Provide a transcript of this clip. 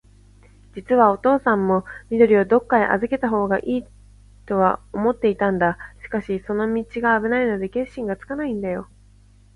じつはおとうさんも、緑をどっかへあずけたほうがいいとは思っていたんだ。しかし、その道があぶないので、決心がつかないんだよ。